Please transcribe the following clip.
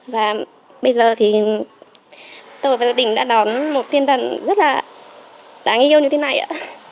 và bây giờ thì tôi và gia đình đã đón một tinh thần rất là đáng yêu như thế này ạ